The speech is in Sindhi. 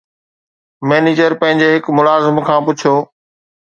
مئنيجر پنهنجي هڪ ملازم کان پڇيو